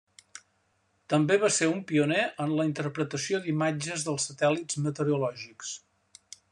També va ser un pioner en la interpretació d'imatges dels satèl·lits meteorològics.